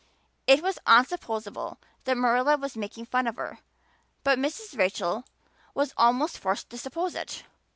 It was unsupposable that Marilla was making fun of her, but Mrs. Rachel was almost forced to suppose it.